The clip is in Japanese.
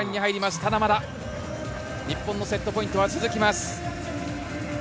ただまだ日本のセットポイントは続きます。